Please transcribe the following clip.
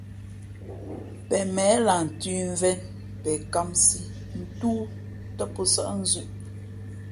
Pen měh lah ntʉ̌mvēn, pen kāmsī ntóó tά pō nsάʼ nzʉ̄ʼ.